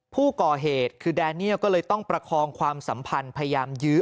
ผู้ก่อเหตุคือแดเนียลก็เลยต้องประคองความสัมพันธ์พยายามยื้อ